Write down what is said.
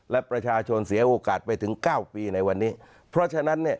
และประชาชนเสียโอกาสไปถึงเก้าปีในวันนี้เพราะฉะนั้นเนี่ย